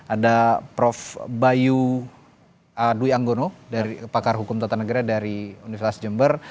ada prof bayu duyanggono pakar hukum tn dari universitas jember